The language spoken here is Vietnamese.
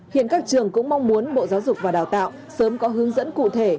hiện các trường cũng mong muốn bộ giáo dục và đào tạo sớm có hướng dẫn cụ thể